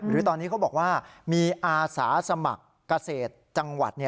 หรือตอนนี้เขาบอกว่ามีอาสาสมัครเกษตรจังหวัด